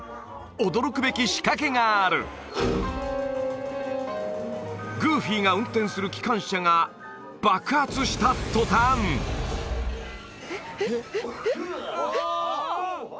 驚くべき仕掛けがあるグーフィーが運転する機関車が爆発した途端えっえっえっえっえっ？